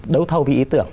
đấu thầu vì ý tưởng